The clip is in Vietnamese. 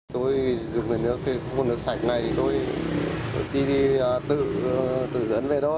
tôi dùng nước sạch này tôi tự dẫn về đó